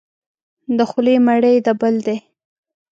د خولې مړی یې د بل دی.